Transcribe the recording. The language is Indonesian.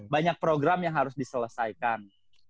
banyak program yang harus diselesaikan